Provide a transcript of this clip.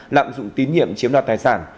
lạm dụng tín nhiệm chiếm đoạt tài sản